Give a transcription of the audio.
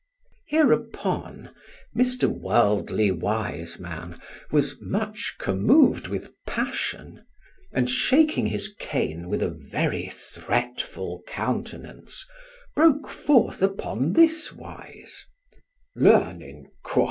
Hereupon, Mr. Worldly Wiseman was much commoved with passion, and shaking his cane with a very threatful countenance, broke forth upon this wise: "Learning, quotha!"